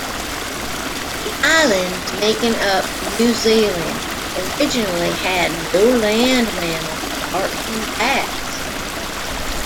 The islands making up New Zealand originally had no land mammals apart from bats.